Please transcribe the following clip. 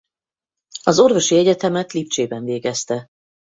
Az orvosi egyetemet Lipcsében végezte.